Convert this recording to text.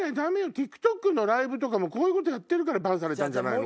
ＴｉｋＴｏｋのライブとかもこういうことやってるからバンされたんじゃないの？